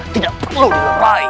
tidak perlu diraih